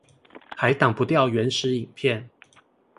還擋不掉原始影片